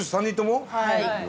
はい。